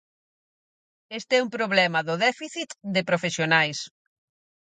Este é un problema do déficit de profesionais.